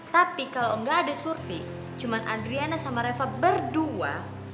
tapi kalau nggak ada surti cuma adriana sama reva berdua